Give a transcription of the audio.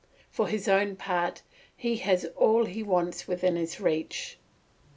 For his own part, he has all he wants within his reach.